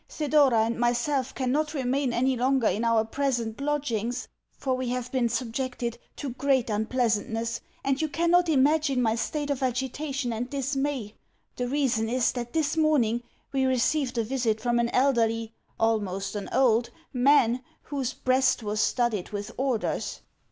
Thedora and myself cannot remain any longer in our present lodgings, for we have been subjected to great unpleasantness, and you cannot imagine my state of agitation and dismay. The reason is that this morning we received a visit from an elderly almost an old man whose breast was studded with orders.